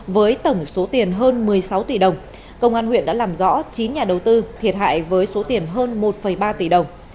với tổng số tiền hơn một mươi sáu tỷ đồng công an huyện đã làm rõ chín nhà đầu tư thiệt hại với số tiền hơn một ba tỷ đồng